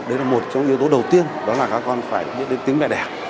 đấy là một trong những yếu tố đầu tiên đó là các con phải biết đến tiếng mẹ đẻ